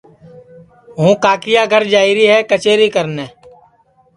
ہوں کاکیا گھر جائیری ہے کچیری کرنے